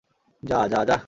যা, যা, যা।